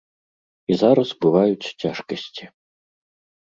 І зараз бываюць цяжкасці.